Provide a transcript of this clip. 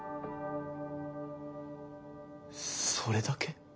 それだけ？